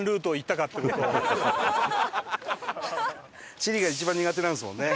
地理が一番苦手なんですもんね。